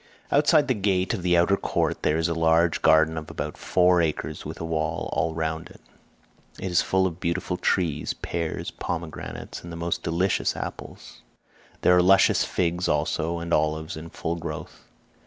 Outside the gate of the outer court there is a large garden of about four acres with a wall all round it. It is full of beautiful trees—pears, pomegranates, and the most delicious apples. There are luscious figs also, and olives in full growth.